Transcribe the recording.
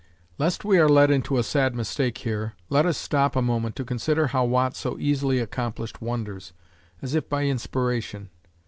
Lest we are led into a sad mistake here, let us stop a moment to consider how Watt so easily accomplished wonders, as if by inspiration.